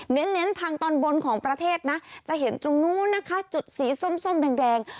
เน้นทางตอนบนของประเทศนะจะเห็นตรงนู้นนะคะจุดสีส้มแดง